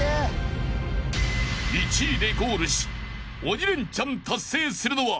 ［１位でゴールし鬼レンチャン達成するのは誰だ！？］